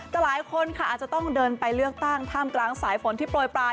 แต่หลายคนค่ะอาจจะต้องเดินไปเลือกตั้งท่ามกลางสายฝนที่โปรยปลาย